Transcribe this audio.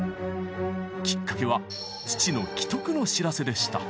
きっかけは父の危篤の知らせでした。